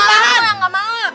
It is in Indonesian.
gak mau gak mau